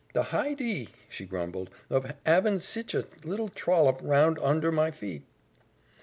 "The hidee," she grumbled, "of 'avin' sich a little trollop round hunder my feet!"